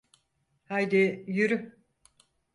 Haydi yürü!